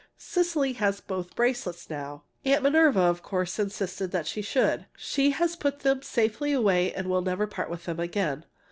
Cecily has both the bracelets now. Aunt Minerva, of course insisted that she should. She has put them safely away and will never part with them again.